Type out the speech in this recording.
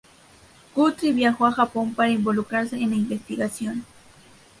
Guthrie viajó a Japón para involucrarse en la investigación.